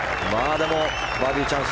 でもバーディーチャンス。